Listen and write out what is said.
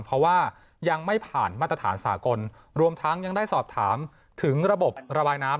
เพราะว่ายังไม่ผ่านมาตรฐานสากลรวมทั้งยังได้สอบถามถึงระบบระบายน้ำ